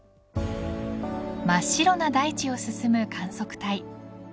真っ白な大地を進む観測隊。